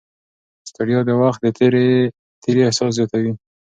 ستړیا د وخت د تېري احساس زیاتوي.